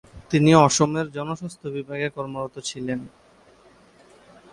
তিনি অসমের জনস্বাস্থ্য বিভাগে কর্মরত ছিলেন।